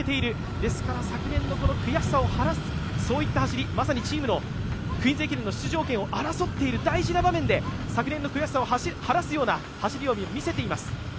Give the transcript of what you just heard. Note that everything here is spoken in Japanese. ですから昨年の悔しさを晴らすといった走り、チームの「クイーンズ駅伝」の出場権を争っている大事な場面で昨年の悔しさを晴らすような走りを見せています。